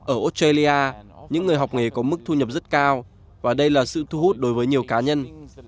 ở australia những người học nghề có mức thu nhập rất cao và đây là sự thu hút đối với nhiều cá nhân